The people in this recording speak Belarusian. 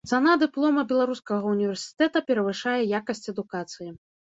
Цана дыплома беларускага ўніверсітэта перавышае якасць адукацыі.